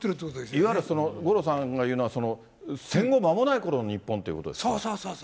いわゆるその五郎さんが言うのは、戦後間もないころの日本ということですか。